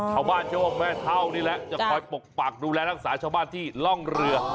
ชาวบ้านโยกแม่เท่านี่แหละจะคอยปกปักดูแลรักษาชาวบ้านที่ร่องเรือ